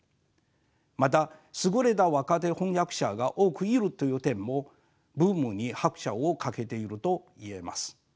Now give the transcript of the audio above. また優れた若手翻訳者が多くいるという点もブームに拍車をかけていると言えます。